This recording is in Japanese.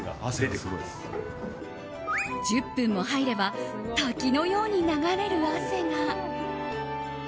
１０分も入れば滝のように流れる汗が。